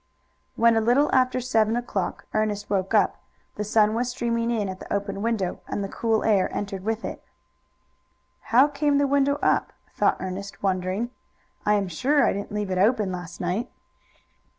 When, a little after seven o'clock, Ernest woke up, the sun was streaming in at the open window, and the cool air entered with it. "How came the window up?" thought Ernest, wondering. "I am sure I didn't leave it open last night."